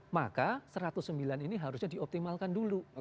maka satu ratus sembilan ini harusnya dioptimalkan dulu